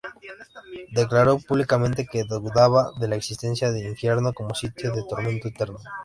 Declaró públicamente que dudaba de la existencia de Infierno como sitio de tormento eterno.